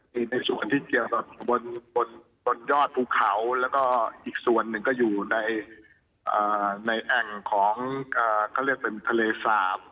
มีในส่วนที่เกี่ยวกับบนยอดภูเขาแล้วก็อีกส่วนหนึ่งก็อยู่ในแอ่งของเขาเรียกเป็นทะเลสาบ